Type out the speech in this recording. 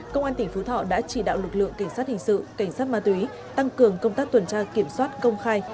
công an tỉnh phú thọ đã chỉ đạo lực lượng cảnh sát hình sự cảnh sát ma túy tăng cường công tác tuần tra kiểm soát công khai